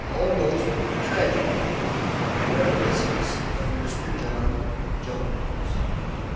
ALMOST A TRAGEDY. A REMINISCENCE OF MR. JOHN JONES.